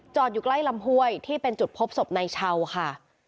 อยู่ใกล้ลำห้วยที่เป็นจุดพบศพนายเช่าค่ะ